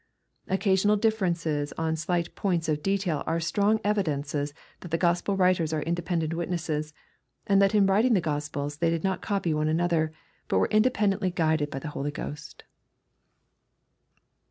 Occasional differences on slight points of detail are strong evidences that the Gospel writers are inde pendent witnesses, and that in writing the Gospels they did not copy one another, but were independently guided by the Holy Ghost 36.